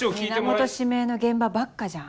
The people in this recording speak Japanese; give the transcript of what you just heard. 源指名の現場ばっかじゃん。